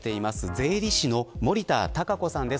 税理士の森田貴子さんです。